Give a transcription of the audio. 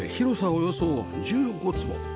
およそ１５坪